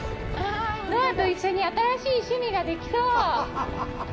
ノアと一緒に新しい趣味ができそう。